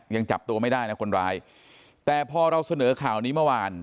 ยังจับตัวไม่ได้นะคนร้ายแต่พอเราเสนอข่าวนี้เมื่อวาน